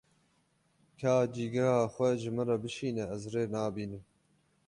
Ka cîgeha xwe ji min re bişîne, ez rê nabînim.